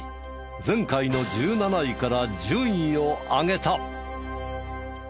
前回の１７位から順位を上げた。